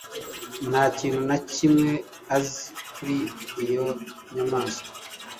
Nta kintu na kimwe azi kuri iyo nyamaswa